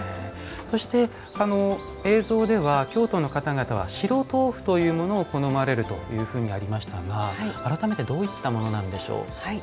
そして映像では京都の方々は白とうふというものを好まれるというふうにありましたが改めてどういったものなんでしょう？